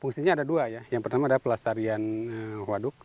fungsinya ada dua ya yang pertama adalah pelastarian waduk